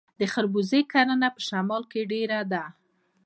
د خربوزې کرنه په شمال کې ډیره ده.